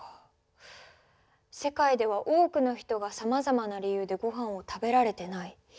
世界では多くの人がさまざまな理由でごはんを食べられてない。